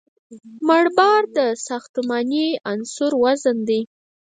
مړ بار د ساختماني عنصر وزن دی